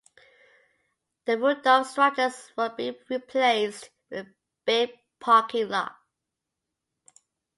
The Rudolph structures would be replaced with a big parking lot.